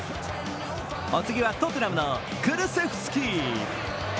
お次はトッテナムのクルセフスキー。